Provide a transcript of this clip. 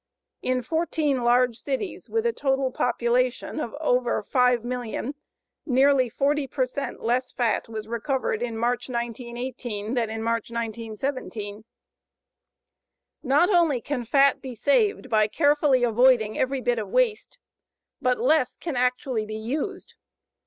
In fourteen large cities with a total population of over 5,000,000 nearly 40 per cent less fat was recovered in March, 1918, than in March, 1917. Not only can fat be saved by carefully avoiding every bit of waste, but less can actually be used.